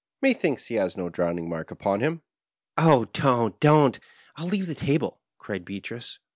" ^Methinks he hath no drowning mark upon him.'" "Oh, don't, don't; I wiU leave the table!" cried Beatrice.